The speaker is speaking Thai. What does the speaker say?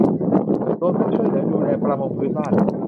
รวมทั้งช่วยเหลือดูแลประมงพื้นบ้าน